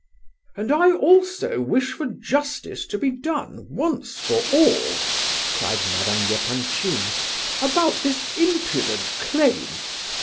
"And I also wish for justice to be done, once for all," cried Madame Epanchin, "about this impudent claim.